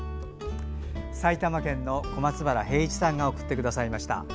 埼玉県の小松原平市さんが送ってくださいました。